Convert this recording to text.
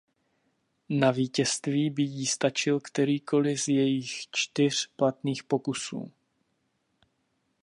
Na vítězství by jí stačil kterýkoli z jejích čtyř platných pokusů.